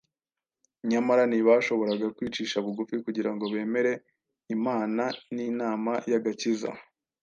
nyamara ntibashoboraga kwicisha bugufi kugira ngo bemere Imana n’inama y’agakiza.